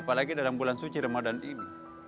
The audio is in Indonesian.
apalagi dalam bulan suci ramadan ini